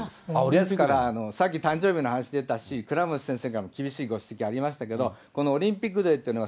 ですから、さっき誕生日の話出たし、倉持先生が厳しいご指摘ありましたけど、このオリンピックデーというのは、